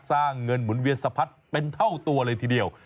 สร้างเงินหมุนเวียนสะพัดเป็นเท่าตัวเลยทีเดียว